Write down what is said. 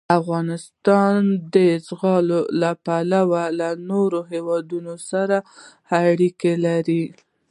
افغانستان د زغال له پلوه له نورو هېوادونو سره اړیکې لري.